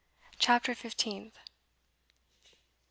CHAPTER FIFTEENTH.